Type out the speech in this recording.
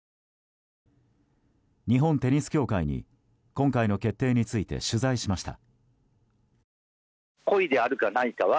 日本テニス協会に今回の決定について取材しました。